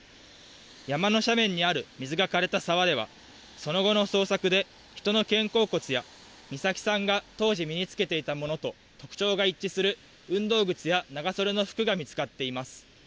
山の斜面にある水がかれた沢では、その後の捜索で人の肩甲骨や、美咲さんが当時身に着けていたものと特徴が一致する運動靴や長袖の服が見つかっています。